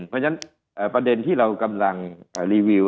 เพราะฉะนั้นประเด็นที่เรากำลังรีวิว